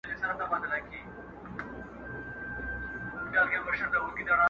نه مي علم نه هنر په درد لګېږي-